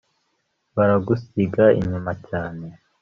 baragusiga inyuma cyane